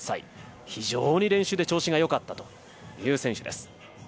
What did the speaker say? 非常に練習で調子がよかったという選手です。